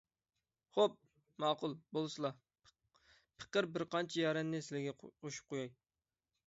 خوپ، ماقۇل بولسىلا، پېقىر بىرقانچە يارەننى سىلىگە قوشۇپ قوياي.